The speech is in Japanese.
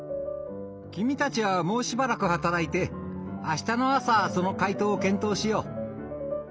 君たちはもうしばらく働いてあしたの朝その解答を検討しよう。